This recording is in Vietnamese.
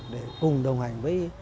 để cùng đồng hành với